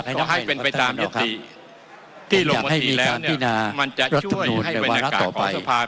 ขอให้เป็นไปตามยศติที่ลงมธีแล้วมันจะช่วยให้บรรณาการของสภา